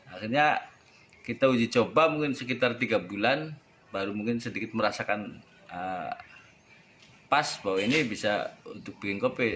akhirnya kita uji coba mungkin sekitar tiga bulan baru mungkin sedikit merasakan pas bahwa ini bisa untuk bikin kopi